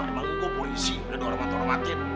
emang gue polisi udah dihormatin hormatin